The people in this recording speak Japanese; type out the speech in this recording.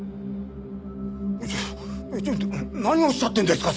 えっちょっと何をおっしゃってるんですか？